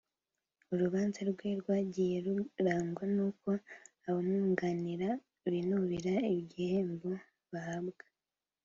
urubanza rwe rwagiye rurangwa n’uko abamwunganira binubira igihembo bahabwa